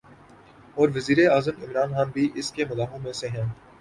اور وزیراعظم عمران خان بھی اس کے مداحوں میں سے ہیں